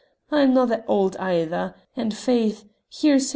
I'm no' that auld either. And faith here's himsel'."